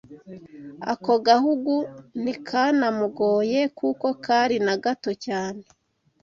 Ako gahugu ntikanamugoye kuko kari na gato cyane